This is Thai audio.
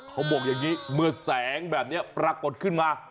เขาบอกอย่างนี้เมื่อแสงแบบนี้ปรากฏขึ้นมา